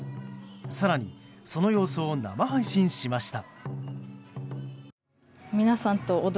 更に、その様子を生配信しました。